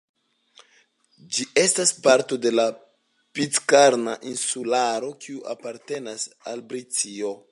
Ĝi estas parto de la Pitkarna Insularo, kiu apartenas al Britio.